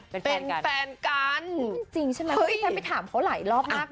เป็นแฟนกันจริงใช่ไหมเฮ้ยฉันไปถามเขาหลายรอบมาก